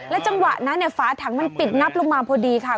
จังหวะนั้นฝาถังมันปิดงับลงมาพอดีค่ะ